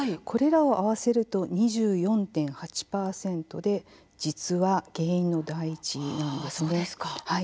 これらを合わせると２４．８％で実は原因の第１位なんです。